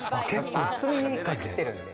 厚めに切ってるんで。